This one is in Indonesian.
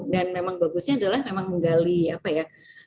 dan memang bagusnya adalah memang menggali apa ya